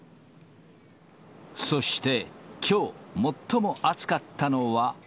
そしてきょう、最も暑かったのは。